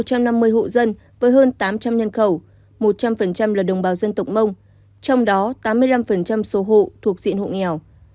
cho năm mươi hộ dân với hơn tám trăm linh nhân khẩu một trăm linh là đồng bào dân tộc mông trong đó tám mươi năm số hộ thuộc diện hộ nghèo